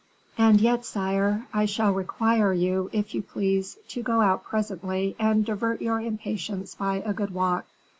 "And yet, sire, I shall require you, if you please, to go out presently and divert your impatience by a good walk."